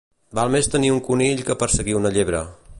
Val més tenir un conill que perseguir una llebre.